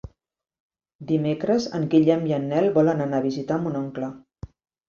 Dimecres en Guillem i en Nel volen anar a visitar mon oncle.